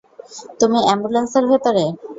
তুমি অ্যাম্বুলেন্সের ভেতরে?